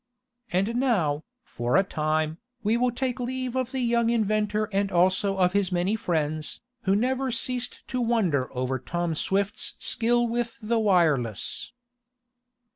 And now, for a time, we will take leave of the young inventor and also of his many friends, who never ceased to wonder over Tom Swift's skill with the wireless.